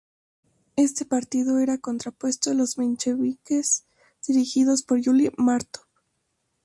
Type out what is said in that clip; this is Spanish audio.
Este partido era contrapuesto a los mencheviques, dirigidos por Yuli Mártov.